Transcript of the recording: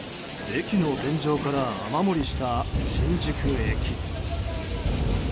駅の天井から雨漏りした新宿駅。